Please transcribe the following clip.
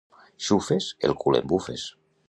—Xufes? —El cul em bufes.